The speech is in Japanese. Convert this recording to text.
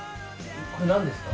これなんですか？